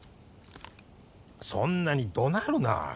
そんなに怒鳴るな。